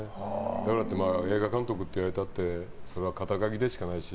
だから映画監督っていわれたってそれは肩書きでしかないし